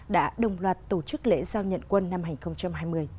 đã đồng loạt tổ chức lễ giao nhận quân năm hai nghìn hai mươi